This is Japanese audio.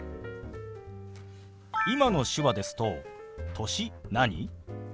今の手話ですと「歳何？」